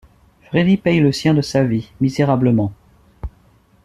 Freddy paie le sien de sa vie, misérablement.